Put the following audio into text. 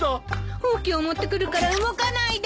ほうきを持ってくるから動かないで！